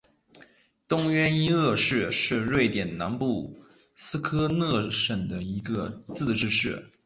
东约因厄市是瑞典南部斯科讷省的一个自治市。